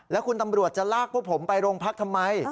แล้วคุณตำรวจจะลากพวกผมไปโรงพักทำไม